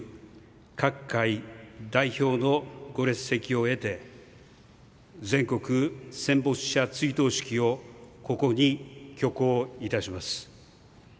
各界代表のご列席を得て全国戦没者追悼式をここに挙行いたします。